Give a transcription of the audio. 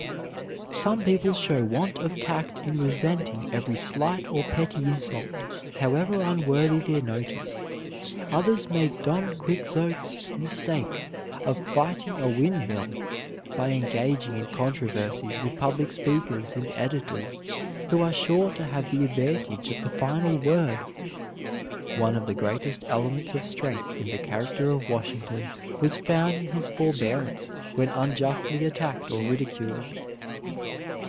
Some people show want of tact in resenting every slight or petty insult, however unworthy their notice. Others make Don Quixote's mistake of fighting a windmill by engaging in controversies with public speakers and editors, who are sure to have the advantage of the final word. One of the greatest elements of strength in the character of Washington was found in his forbearance when unjustly attacked or ridiculed.